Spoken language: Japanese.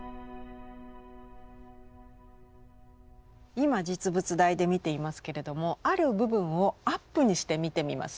今実物大で見ていますけれどもある部分をアップにして見てみますね。